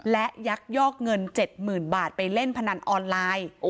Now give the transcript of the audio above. และยักยอกเงิน๗๐๐๐๐บาทไปเล่นพนันออนไลน์